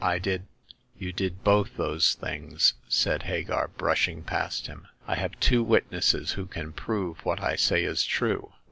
I did ''" You did both those things !" said Hagar, brushing past him. " I have two witnesses who can prove what I say is true.